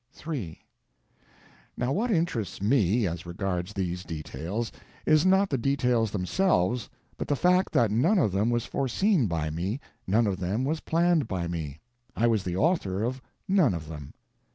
III Now what interests me, as regards these details, is not the details themselves, but the fact that none of them was foreseen by me, none of them was planned by me, I was the author of none of them.